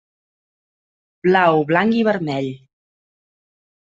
Blau, blanc i vermell.